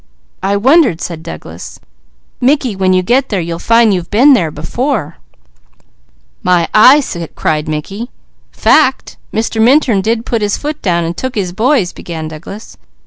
"I wondered," said Douglas. "Mickey, when you get there, you'll find that you've been there before." "My eye!" cried Mickey. "Fact! Mr. Minturn did put his foot down, and took his boys " began Douglas.